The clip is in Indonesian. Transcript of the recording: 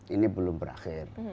ini belum berakhir